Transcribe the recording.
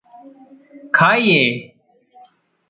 खाइए!